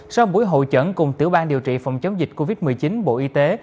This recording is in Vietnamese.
sau buổi hậu trận cùng tiểu bang điều trị phòng chống dịch covid một mươi chín bộ y tế